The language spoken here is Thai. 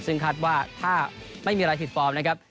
ซึ่งคาดว่าถ้าไม่มีอะไรผิดฟอร์มนะครับ